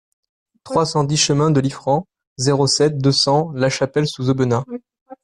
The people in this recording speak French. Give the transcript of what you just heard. trois cent dix chemin de Liffrand, zéro sept, deux cents, Lachapelle-sous-Aubenas